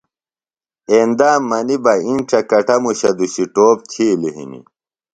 ایندا منیۡ بہ اِنڇہ کٹموشہ دُشیۡ ٹوپ تِھیلیۡ ہنیۡ